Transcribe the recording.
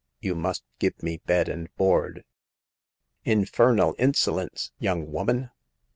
You must give me bed and board." " Infernal insolence, young woman